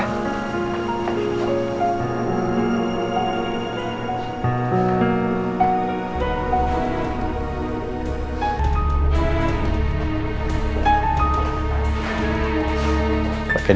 kau sudah letting ke opermu